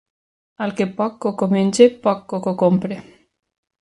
El que poc coco menja, poc coco compra;